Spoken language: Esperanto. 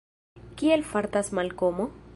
Kiel fartas Malkomo?